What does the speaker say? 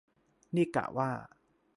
นี่กะว่า